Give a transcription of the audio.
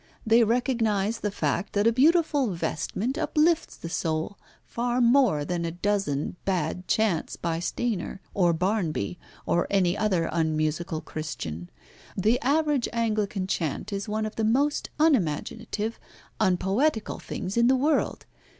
They recognise the fact that a beautiful vestment uplifts the soul far more than a dozen bad chants by Stainer, or Barnby, or any other unmusical Christian. The average Anglican chant is one of the most unimaginative, unpoetical things in the world.